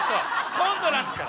コントなんですから！